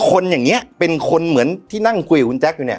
คนอย่างนี้เป็นคนเหมือนที่นั่งคุยกับคุณแจ๊คอยู่เนี่ย